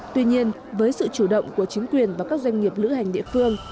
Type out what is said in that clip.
tuy nhiên với sự chủ động của chính quyền và các doanh nghiệp lữ hành địa phương